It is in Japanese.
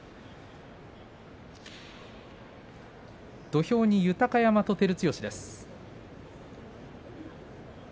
土俵に豊山と照強です。